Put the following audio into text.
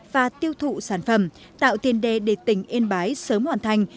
và tiêu thụ sản phẩm tạo tiền đề để tỉnh yên bái sớm hoàn thành